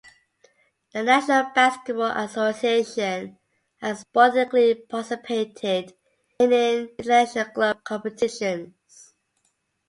The National Basketball Association has sporadically participated in international club competitions.